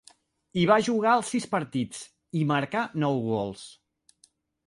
Hi va jugar els sis partits, i marcà nou gols.